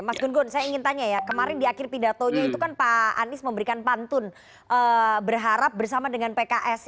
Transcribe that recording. mas gun gun saya ingin tanya ya kemarin di akhir pidatonya itu kan pak anies memberikan pantun berharap bersama dengan pks